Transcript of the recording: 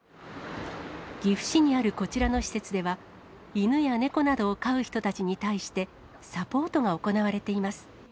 岐阜市にあるこちらの施設では、犬や猫などを飼う人たちに対して、サポートが行われています。